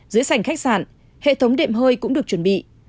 dưới sảnh khách sạn hệ thống đệm hơi cũng được chuẩn bị